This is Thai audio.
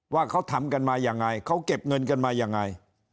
ว่าเขาทำกันมายังไงเขาเก็บเงินกันมายังไง